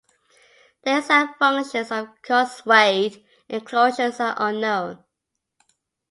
The exact functions of causewayed enclosures are unknown.